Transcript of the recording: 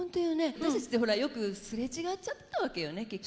私たちってほらよく擦れ違っちゃったわけよね結局。